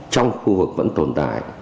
trong khu vực vẫn tồn tại